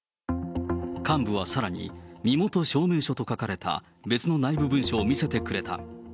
幹部はさらに、身元証明書と書かれた別の内部文書を見せてくれた。